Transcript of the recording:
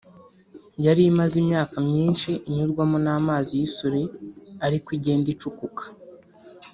yari imaze imyaka myinshi inyurwamo n’amazi y’isuri ari ko igenda icukuka